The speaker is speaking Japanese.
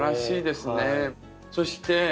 そして。